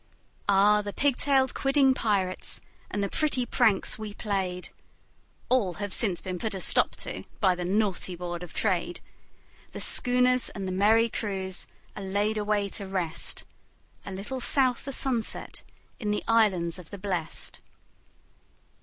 Ah! the pig tailed, quidding pirates and the pretty pranks we played, All have since been put a stop to by the naughty Board of Trade; The schooners and the merry crews are laid away to rest, A little south the sunset in the Islands of the Blest.